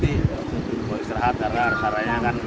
boleh istirahat terhar saranya kan